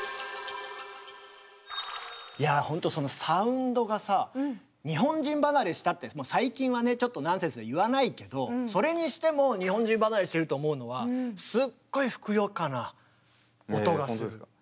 いやあほんとそのサウンドがさ日本人離れしたってもう最近はねちょっとナンセンスで言わないけどそれにしても日本人離れしてると思うのはいやいやほんとですか。